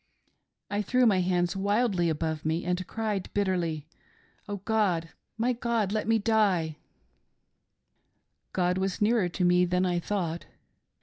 I threw my hands wildly above me and cried bitterly :' Oh God, my God, let me die r " God was nearer to me than I thought.